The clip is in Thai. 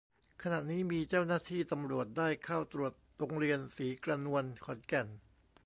ขณะนี้มีเจ้าหน้าที่ตำรวจได้เข้าตรวจโรงเรียนศรีกระนวน ขอนแก่น